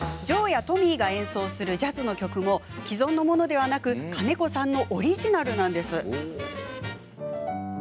ジョーやトミーが演奏するジャズ曲も、既存のものではなく金子さんのオリジナルなんです。